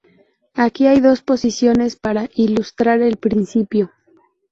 Aquí hay dos posiciones para ilustrar el principio.